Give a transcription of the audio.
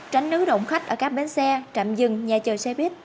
tránh nới động khách ở các bến xe trạm dừng nhà chờ xe buýt